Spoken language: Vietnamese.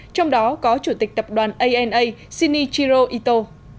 trong đó có chủ tịch tập đoàn ana shinichiro ito